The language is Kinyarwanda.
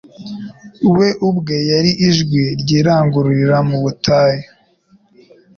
We ubwe yari ijwi ry'urangururira mu butayu.